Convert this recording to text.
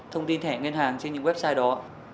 thông tin thẻ ngân hàng trên những website đó